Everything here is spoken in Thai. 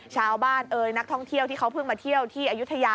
เอ่ยนักท่องเที่ยวที่เขาเพิ่งมาเที่ยวที่อายุทยา